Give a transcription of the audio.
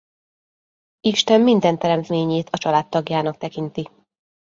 Isten minden teremtményét a családtagjának tekinti.